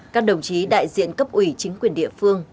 các đồng chí đại diện cấp ủy chính quyền địa phương